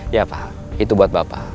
ya pak itu buat bapak